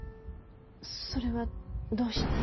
それはどうして？